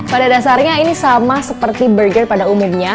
pada dasarnya ini sama seperti burger pada umumnya